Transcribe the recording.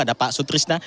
ada pak sutrisna